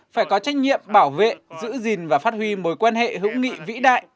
phải có trách nhiệm bảo vệ giữ gìn và phát huy mối quan hệ hữu nghị vĩ đại